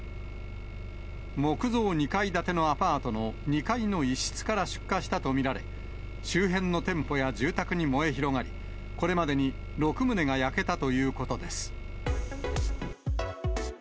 木造２階建てのアパートの２階の一室から出火したと見られ、周辺の店舗や住宅に燃え広がり、これまでに６棟が焼けたということです。